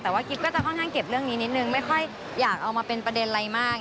แต่ว่ากิ๊บก็จะค่อนข้างเก็บเรื่องนี้นิดนึงไม่ค่อยอยากเอามาเป็นประเด็นอะไรมาก